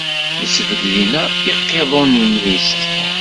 Isbedd dinna iqiḍunen-is.